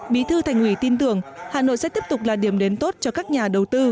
bí thư thành ủy tin tưởng hà nội sẽ tiếp tục là điểm đến tốt cho các nhà đầu tư